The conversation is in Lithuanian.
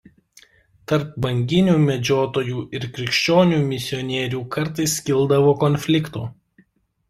Tarp banginių medžiotojų ir krikščionių misionierių kartais kildavo konfliktų.